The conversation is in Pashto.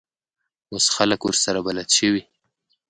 اوس خلک ورسره بلد شوي.